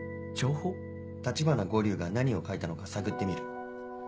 橘五柳が何を書いたのか探ってみる。